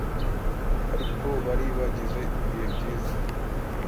ariko bari bagize ibihe byiza